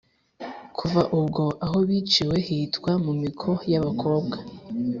kuva ubwo aho biciwe hitwa "mu miko y'abakobwa”.